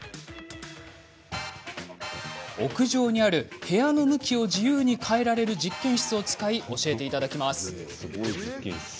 屋上にある、部屋の向きを自由に変えられる実験室を使い教えていただきます。